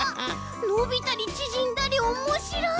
のびたりちぢんだりおもしろい！